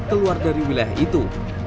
keluar dari wilayah itu